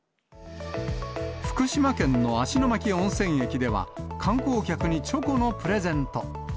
福島県の芦ノ牧温泉駅では、観光客にチョコのプレゼント。